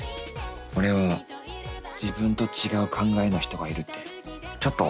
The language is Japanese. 俺は自分と違う考えの人がいるってちょっとほっとする。